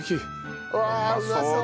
うわあうまそう！